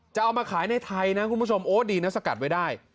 จะเอามาขายในไทยนะคุณผู้ชมโอ้ดีนะสกัดไว้ได้